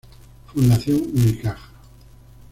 Fundación Unicaja.